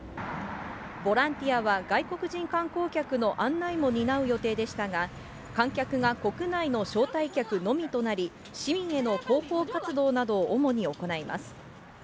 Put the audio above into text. ボランティアは外国人観光客の案内も担う予定でしたが、観客が国内の招待客のみとなり、市民への広報活動などを主に行います。